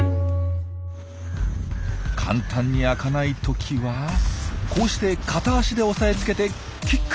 簡単に開かない時はこうして片足で押さえつけてキック。